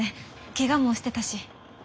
ケガもしてたし。